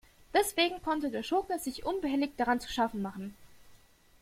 Deswegen konnte der Schurke sich unbehelligt daran zu schaffen machen.